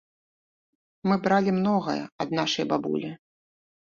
Мы бралі многае ад нашай бабулі.